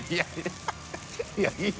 いやいや